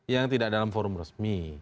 yang tidak dalam forum resmi